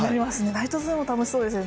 ナイトズーも楽しそうですね。